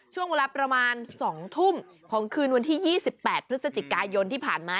ช่วงเวลาประมาณ๒ทุ่มของคืนวันที่๒๘พฤศจิกายนที่ผ่านมา